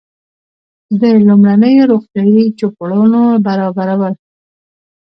د لومړنیو روغتیایي چوپړونو برابرول.